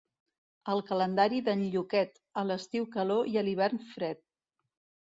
El calendari d'en Lluquet, a l'estiu calor i a l'hivern fred.